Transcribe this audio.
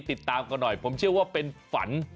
ติดตามกันหน่อยผมเชื่อว่าเป็นฝัน